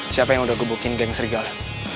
siapa yang udah gebukin geng serigala